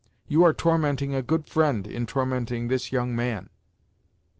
You are tormenting a good friend, in tormenting this young man!"